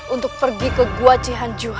untuk pergi ke gua cihang jua